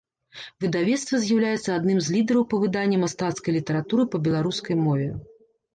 Выдавецтва з'яўляецца адным з лідараў па выданні мастацкай літаратуры па беларускай мове.